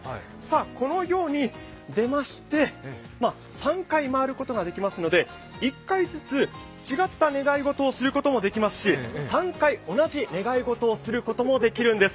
このように出まして、３回回ることができますので１回ずつ、違った願い事をすることもできますし、３回同じ願い事をすることもできるんです。